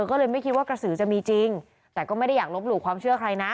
ก็เลยไม่คิดว่ากระสือจะมีจริงแต่ก็ไม่ได้อยากลบหลู่ความเชื่อใครนะ